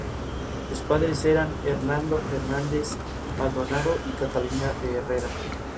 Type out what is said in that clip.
El distrito escolar Escuelas Públicas de Tacoma gestiona las escuelas públicas de la ciudad.